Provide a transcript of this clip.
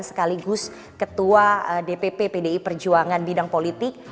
sekaligus ketua dpp pdi perjuangan bidang politik